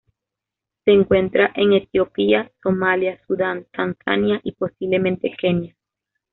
Se encuentra en Etiopía, Somalia, Sudán, Tanzania, y, posiblemente, Kenia.